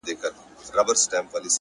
هره ورځ د نوي جوړېدو فرصت دی’